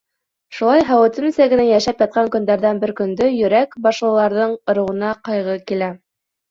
Шулай һәүетемсә генә йәшәп ятҡан көндәрҙән бер көндө Йөрәк башлыларҙың ырыуына ҡайғы килә.